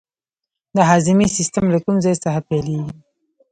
د هاضمې سیستم له کوم ځای څخه پیلیږي